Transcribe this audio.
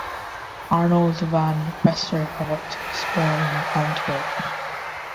Arnold van Westerhout was born in Antwerp.